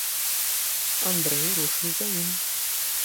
Андрэй рушыў за ім.